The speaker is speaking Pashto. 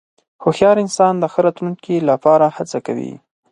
هوښیار انسان د ښه راتلونکې لپاره هڅه کوي.